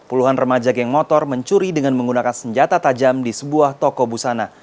puluhan remaja geng motor mencuri dengan menggunakan senjata tajam di sebuah toko busana